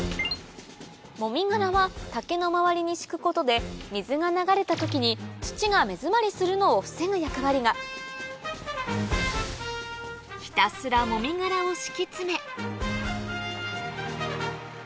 もみ殻は竹の周りに敷くことで水が流れた時に土が目詰まりするのを防ぐ役割がひたすらもみ殻を敷き詰め